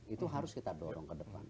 itu harus kita dorong ke depan